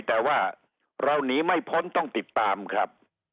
แต่ว่าเราหนีไม่พ้นต้องติดตามครับ